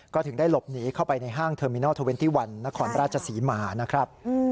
ก็ถึงได้หลบหนีเข้าไปในห้างเทอร์มินอล๒๑นครราชศรีหมานะครับ